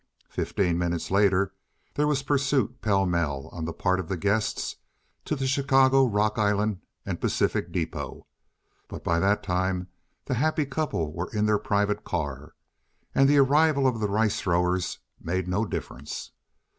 Fifteen minutes later there was pursuit pell mell on the part of the guests to the Chicago, Rock Island and Pacific depôt; but by that time the happy couple were in their private car, and the arrival of the rice throwers made no difference.